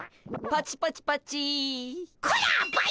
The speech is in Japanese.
パチパチパチ。